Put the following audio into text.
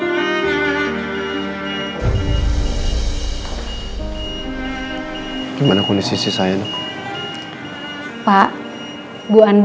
tunggu ya pak bagaimana kondisi saya vicu